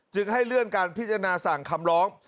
ให้เลื่อนการพิจารณาสั่งคำร้อง